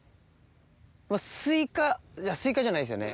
スイカじゃないですよね。